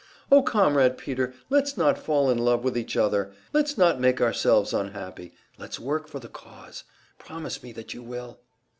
"Oh, Comrade Peter, let's not fall in love with each other! Let's not make ourselves unhappy, let's work for the cause! Promise me that you will!"